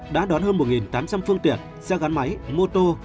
đã đón hơn một tám trăm linh phương tiện xe gắn máy mô tô